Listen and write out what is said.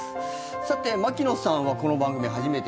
さて、牧野さんはこの番組、初めて。